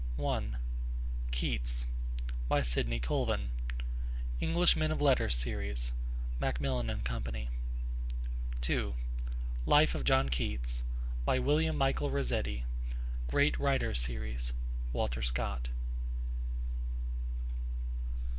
(1) Keats. By Sidney Colvin. 'English Men of Letters' Series. (Macmillan and Co.) (2) Life of John Keats. By William Michael Rossetti. 'Great Writers' Series. (Walter Scott.)